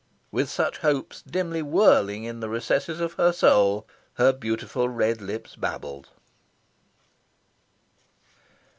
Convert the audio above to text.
With such hopes dimly whirling in the recesses of her soul, her beautiful red lips babbled.